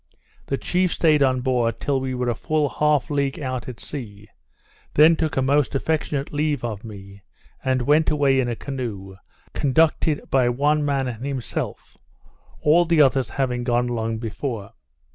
The chief stayed on board till we were a full half league out at sea; then took a most affectionate leave of me; and went away in a canoe, conducted by one man and himself; all the others having gone long before.